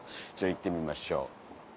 行ってみましょう。